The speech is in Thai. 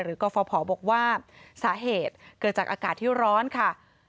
กฟภบอกว่าสาเหตุเกิดจากอากาศที่ร้อนค่ะ